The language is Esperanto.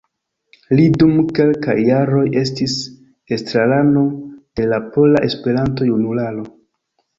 Li dum kelkaj jaroj estis estrarano de la Pola Esperanto-Junularo.